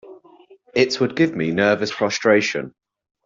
It would give me nervous prostration.